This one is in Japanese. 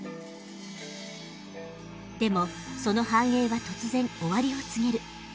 でもその繁栄は突然終わりを告げる。